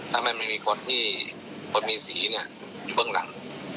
ถ้าไม่มีคนที่คนมีสีอยู่เบื้องหลัง